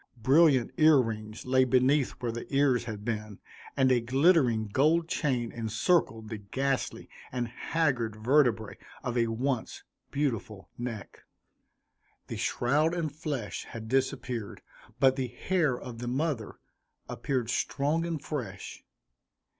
Brilliant ear rings lay beneath where the ears had been; and a glittering gold chain encircled the ghastly and haggard vertebræ of a once beautiful neck The shroud and flesh had disappeared, but the hair of the mother appeared strong and fresh.